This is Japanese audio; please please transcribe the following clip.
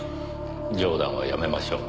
冗談はやめましょうね。